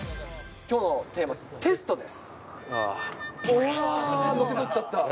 きょうのテーマはテストです。